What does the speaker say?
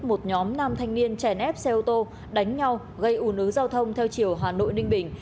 một nhóm nam thanh niên chèn ép xe ô tô đánh nhau gây ủ nứ giao thông theo chiều hà nội ninh bình